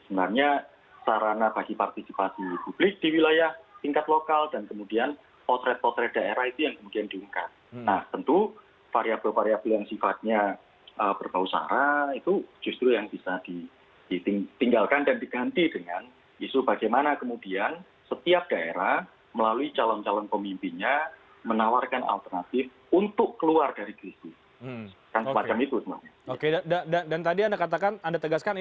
mas agus melas dari direktur sindikasi pemilu demokrasi